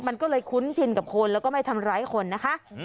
มันก็เลยคุ้นชินกับคนแล้วก็ไม่ทำร้ายคนนะคะ